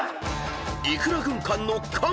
［いくら軍艦の「艦」］